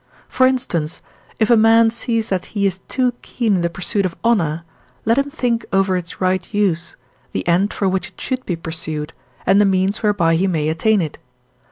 For instance, if a man sees that he is too keen in the pursuit of honour, let him think over its right use, the end for which it should be pursued, and the means whereby he may attain it.